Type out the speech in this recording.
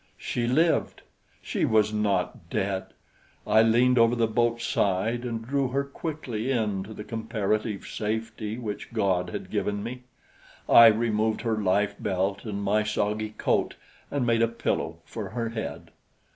She lived! She was not dead! I leaned over the boat's side and drew her quickly in to the comparative safety which God had given me. I removed her life belt and my soggy coat and made a pillow for her head.